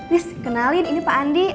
wis kenalin ini pak andi